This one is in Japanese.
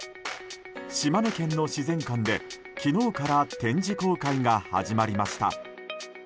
島根県の自然館で昨日から展示公開が広がりました。